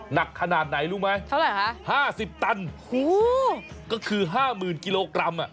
หนักขนาดไหนรู้ไหมห้าสิบตันก็คือ๕๐๐๐๐กิโลกรัมอ่ะ